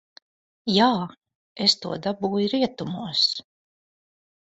Jā, es to dabūju rietumos.